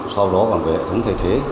sau đó còn về hệ thống thay thế